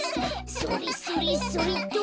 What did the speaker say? それそれそれっと。